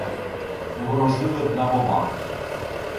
Не ворожили б на бобах.